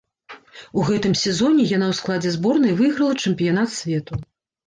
У гэтым сезоне яна ў складзе зборнай выйграла чэмпіянат свету.